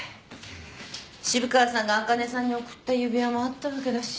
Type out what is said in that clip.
渋川さんがあかねさんに贈った指輪もあったわけだし。